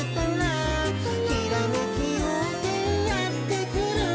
「ひらめきようせいやってくる」